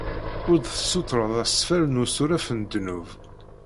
Ur d-tessutreḍ asfel n usuref n ddnub.